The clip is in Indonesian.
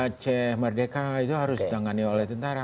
aceh merdeka itu harus ditangani oleh tentara